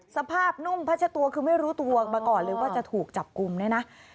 สภาพนุ่มพัชตัวคือไม่รู้ตัวมาก่อนเลยว่าจะถูกจับกลุ่มเนี่ยนะ